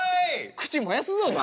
口燃やすぞお前。